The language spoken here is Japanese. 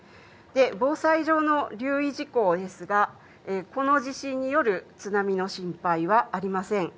防災上の留意事項ですが、この地震による津波の心配はありません。